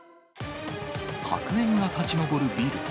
白煙が立ち上るビル。